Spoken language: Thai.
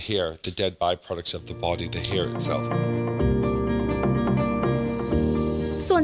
ฟิลิปบีได้เข้ามาขยายไปเมื่อตอนนี้